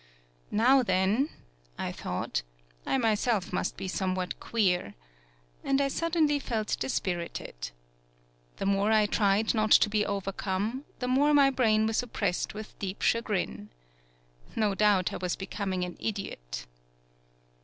"Now, then," I thought, "I myself must be somewhat queer," and I suddenly felt dispirited. The more I tried not to be overcome, the more my brain was op pressed with deep chagrin. No doubt I was becoming an idiot.